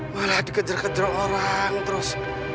malah dikejar kejar orang terus